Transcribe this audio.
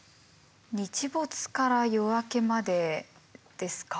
「日没から夜明けまで」ですか？